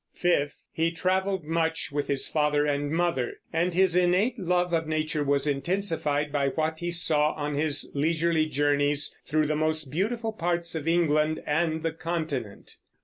Fifth, he traveled much with his father and mother, and his innate love of nature was intensified by what he saw on his leisurely journeys through the most beautiful parts of England and the Continent.